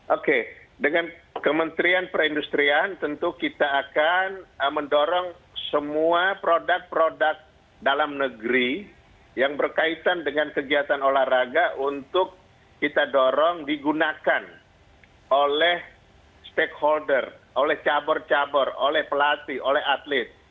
oke dengan kementrian perindustrian tentu kita akan mendorong semua produk produk dalam negeri yang berkaitan dengan kegiatan olahraga untuk kita dorong digunakan oleh stakeholder cabar cabar pelatih atlet